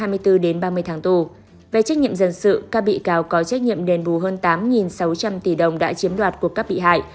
về trách nhiệm dân sự các bị cáo có trách nhiệm đền bù hơn tám sáu trăm linh tỷ đồng đã chiếm đoạt của các bị hại